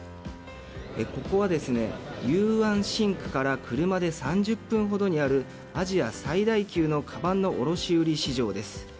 ここは雄安新区から車で３０分ほどにあるアジア最大級のかばんの卸売市場です。